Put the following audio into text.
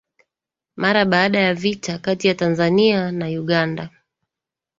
mara baada ya vita kati ya Tanzania na Uganda